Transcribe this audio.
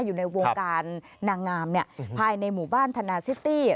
อยู่ในวงการนางงามภายในหมู่บ้านธนาซิตี้